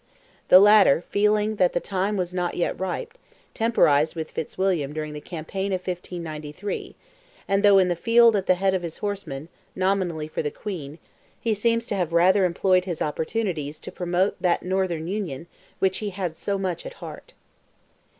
The latter, feeling that the time was not yet ripe, temporized with Fitzwilliam during the campaign of 1593, and though in the field at the head of his horsemen, nominally for the Queen, he seems to have rather employed his opportunities to promote that Northern Union which he had so much at heart.